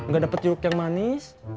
gak dapat jeruk yang manis